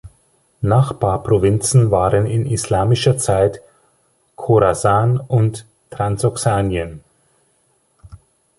Nachbarprovinzen waren in islamischer Zeit Chorasan und Transoxanien.